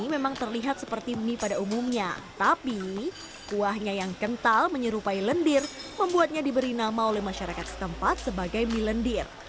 memang terlihat seperti mie pada umumnya tapi kuahnya yang kental menyerupai lendir membuatnya diberi nama oleh masyarakat setempat sebagai mie lendir